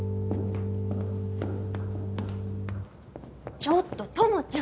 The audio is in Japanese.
ちょっと友ちゃん！